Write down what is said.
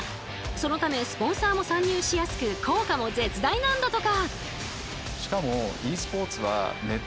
そのためスポンサーも参入しやすく効果も絶大なんだとか。